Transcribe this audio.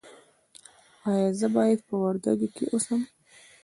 ایا زه باید په وردګو کې اوسم؟